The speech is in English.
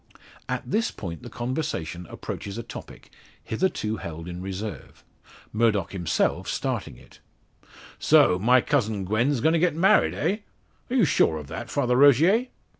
At this point the conversation approaches a topic, hitherto held in reserve, Murdock himself starting it: "So, my cousin Gwen's going to get married, eh! are you sure of that, Father Rogier?"